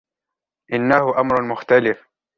إنه أمر مختلف.